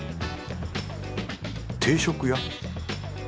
定食屋？